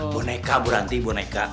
boneka buranti boneka